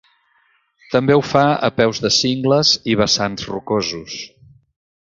També ho fa a peus de cingles i vessants rocosos.